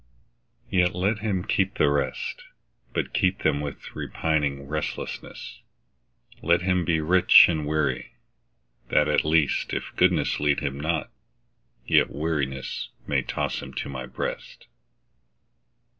Yet let him keep the rest, But keep them with repining restlessness; Let him be rich and weary, that at least, If goodness lead him not, yet wearinessMay toss him to My breast.